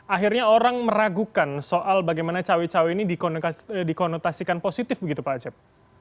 akhirnya orang meragukan soal bagaimana cawe cawe ini dikonotasikan positif begitu pak acep